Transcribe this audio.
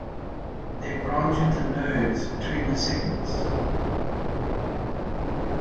They branch at the nodes between the segments.